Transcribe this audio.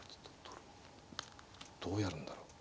どうやるんだろう。